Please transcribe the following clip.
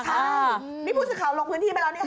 ใช่มีผู้สื่อข่าวลงพื้นที่ไปแล้วนี่ครับ